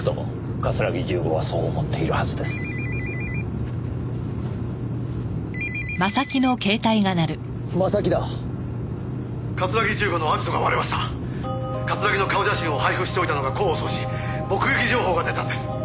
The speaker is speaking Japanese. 「桂木の顔写真を配布しておいたのが功を奏し目撃情報が出たんです」